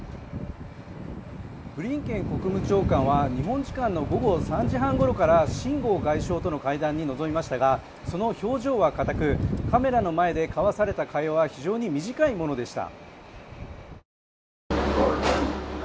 ブリンケン国務長官は日本時間の午後３時半ごろから秦剛外相との会談に臨みましたがその表情はかたくカメラの前で交わされた会話は非常に短いものでした。